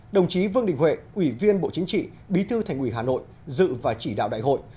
đồng chí vương đình huệ ủy viên bộ chính trị bí thư thành ủy hà nội dự và chỉ đạo đại hội